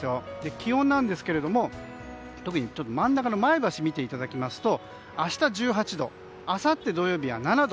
気温なんですが特に前橋を見ていただきますと明日１８度あさって土曜日は７度。